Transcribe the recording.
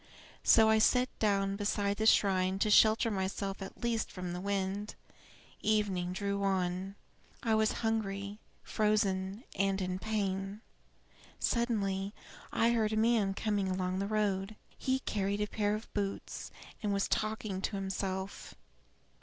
So I sat down behind the shrine to shelter myself at least from the wind. Evening drew on. I was hungry, frozen, and in pain. Suddenly I heard a man coming along the road. He carried a pair of boots, and was talking to himself.